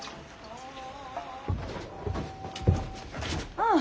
ああ